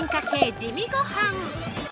「地味ごはん」。